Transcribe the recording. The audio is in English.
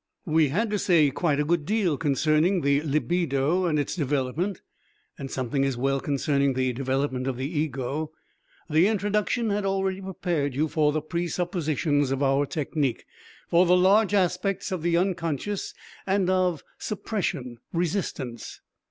We had to say quite a good deal concerning the libido and its development, and something as well concerning the development of the ego. The introduction had already prepared you for the presuppositions of our technique, for the large aspects of the unconscious and of suppression (resistance).